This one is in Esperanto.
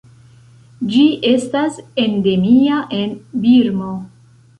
Ĝi estas endemia en Birmo.